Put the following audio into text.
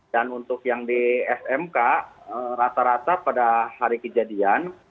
dan untuk yang di smk rata rata pada hari kejadian